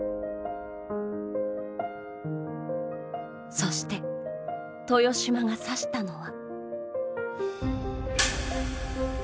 そして、豊島が指したのは。